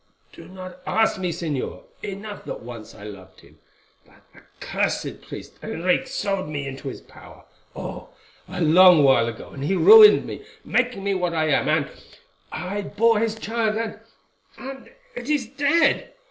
"Do not ask me, Señor. Enough that once I loved him—that accursed priest Henriques sold me into his power—oh! a long while ago, and he ruined me, making me what I am, and—I bore his child, and—and it is dead.